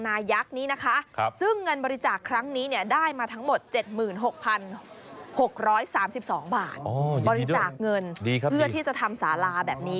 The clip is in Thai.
๑๖๓๒บาทบริจาคเงินเพื่อที่จะทำสาลาแบบนี้